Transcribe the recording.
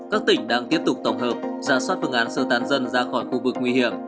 các tỉnh đang tiếp tục tổng hợp ra soát phương án sơ tán dân ra khỏi khu vực nguy hiểm